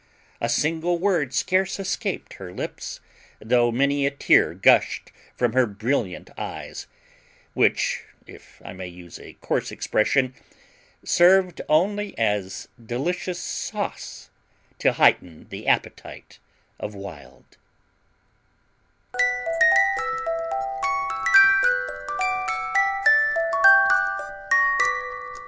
A single word scarce escaped her lips, though many a tear gushed from her brilliant eyes, which, if I may use a coarse expression, served only as delicious sauce to heighten the appetite of Wild.